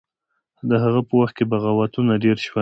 د هغه په وخت کې بغاوتونه ډیر شول.